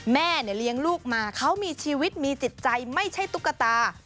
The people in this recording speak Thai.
แม่เลี้ยงลูกมาเขามีชีวิตมีจิตใจไม่ใช่ตุ๊กตา